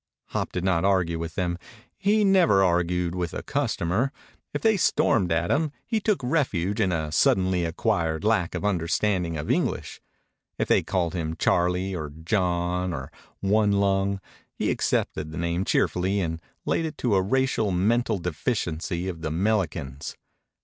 Hop did not argue with them. He never argued with a customer. If they stormed at him he took refuge in a suddenly acquired lack of understanding of English. If they called him Charlie or John or One Lung, he accepted the name cheerfully and laid it to a racial mental deficiency of the 'melicans.